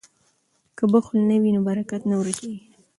که بخل نه وي نو برکت نه ورکیږي.